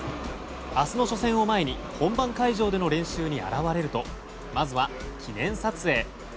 明日の初戦を前に本番会場での練習に現れるとまずは記念撮影。